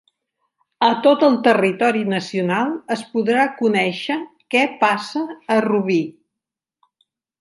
A tot el territori nacional es podrà conèixer què passa a Rubí.